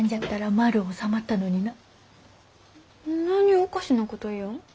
何ゅうおかしなこと言よん？